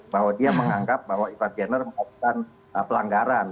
bahwa dia menganggap bahwa ivar jenner mengakukan pelanggaran